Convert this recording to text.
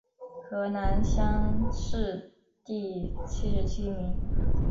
河南乡试第七十七名。